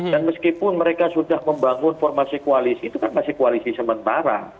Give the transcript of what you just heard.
dan meskipun mereka sudah membangun formasi koalisi itu kan masih koalisi sementara